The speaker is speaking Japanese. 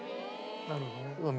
なるほどね。